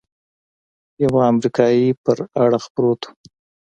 يوه امريکايي پر اړخ پروت و.